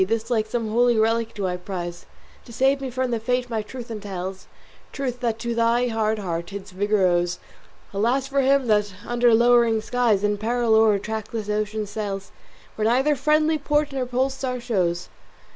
This like some holy relic do I prize To save me from the fate my truth entails, Truth that to thy hard heart its vigour owes. Alas for him that under lowering skies, In peril o'er a trackless ocean sails, Where neither friendly port nor pole star shows."